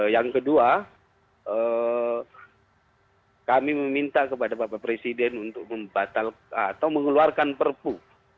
yang kedua kami meminta kepada bapak presiden untuk mengeluarkan perpu